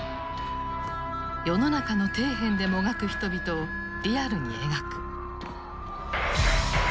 世の中の底辺でもがく人々をリアルに描く。